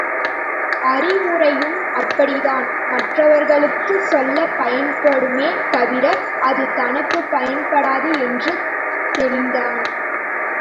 அறிவுரையும் அப்படித்தான் மற்றவர்களுக்குச் சொல்லப் பயன்படுமே தவிர அது தனக்குப் பயன்படாது என்று தெளிந்தான்.